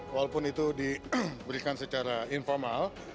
walaupun itu diberikan secara informal